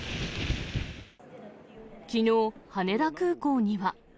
きのう、羽田空港には。